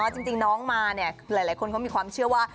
จริงน้องมาเนี่ยหลายคนเขามีความเชื่อว่า